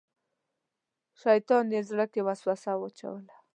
شیطان یې زړه کې وسوسه واچوله.